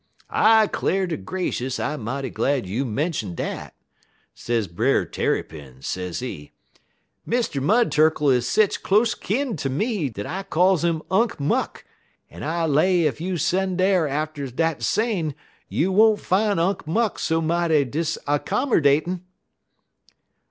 "'I 'clar' ter gracious I mighty glad you mention dat,' says Brer Tarrypin, sezee. 'Mr. Mud Turkle is setch clos't kin ter me dat I calls 'im Unk Muck, en I lay ef you sen' dar atter dat sane you won't fine Unk Muck so mighty disaccomerdatin'.'